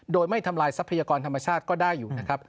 โดยไม่ทำลายทรัพยากรธรรมชาติก็ได้อยู่นะครับ